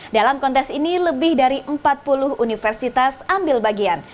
dalam kontes ini lebih dari empat puluh universitas ambil bagian